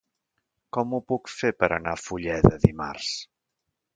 Com ho puc fer per anar a Fulleda dimarts?